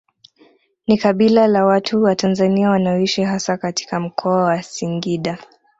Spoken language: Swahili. Ni kabila la watu wa Tanzania wanaoishi hasa katika Mkoa wa Singida